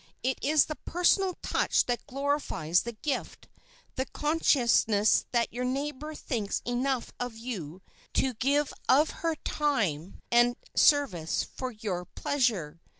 It is the personal touch that glorifies the gift, the consciousness that your neighbor thinks enough of you to give of her time and service for your pleasure.